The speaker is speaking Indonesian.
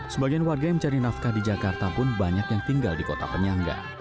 sebagian warga yang mencari nafkah di jakarta pun banyak yang tinggal di kota penyangga